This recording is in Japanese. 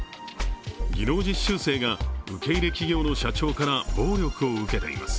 技能実習生が受け入れ企業の社長から暴力を受けています。